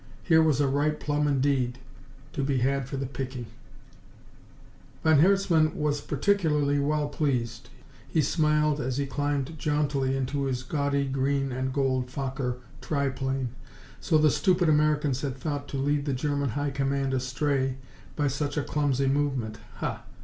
Here was a ripe plum indeed to be had for the picking! Von Herzmann was particularly well pleased. He smiled as he climbed jauntily into his gaudy green and gold Fokker tri plane. So the stupid Americans had thought to lead the German High Command astray by such a clumsy movement? Ha!